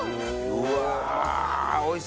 うわ！